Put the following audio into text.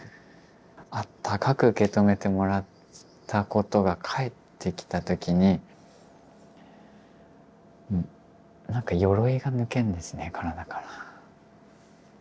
あったかく受け止めてもらったことが返ってきた時になんかよろいが抜けるんですね体から。